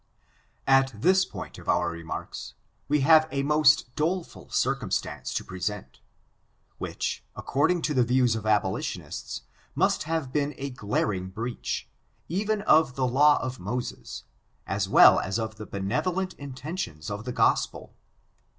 At this point of our remarks, we have a most dole ful circumstance to present, which, according to the views of abolitionists, must have been a glaring breach, even of the law of Moses, as well as of the benevolent intentions of the Gospel.